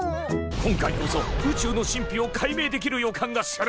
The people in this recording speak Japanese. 今回こそ宇宙の神秘を解明できる予感がする！